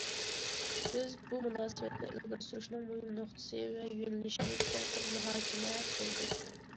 بىز بۇ مۇناسىۋەتنى ئىلگىرى سۈرۈشنىڭ مۇھىم نۇقتىسى ۋە يۆنىلىشىنى چوڭقۇر مۇھاكىمە قىلدۇق.